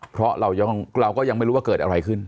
เพราะเราก็ยังไม่รู้ว่าเกิดอะไรขึ้น